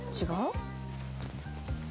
「違う？」